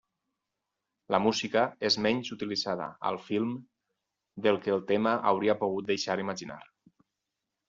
La música és menys utilitzada al film del que el tema hauria pogut deixar imaginar.